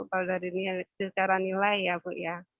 kalau dari secara nilai ya bu ya